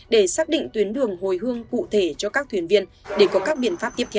để xác định tuyến đường hồi hương cụ thể cho các thuyền viên để có các biện pháp tiếp theo